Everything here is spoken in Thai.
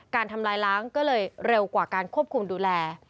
ทำลายล้างก็เลยเร็วกว่าการควบคุมดูแล